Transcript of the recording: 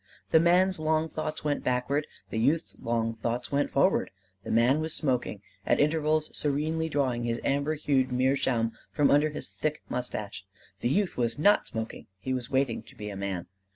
The man's long thoughts went backward; the youth's long thoughts went forward. The man was smoking, at intervals serenely drawing his amber hued meerschaum from under his thick mustache. The youth was not smoking he was waiting to be a man.